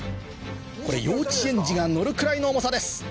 これ幼稚園児が乗るくらいの重さです